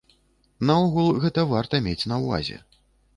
Наогул, гэта варта мець на ўвазе.